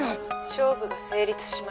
勝負が成立しました。